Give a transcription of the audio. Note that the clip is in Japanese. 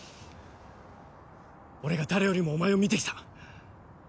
俺が誰よりもお前を見て来た。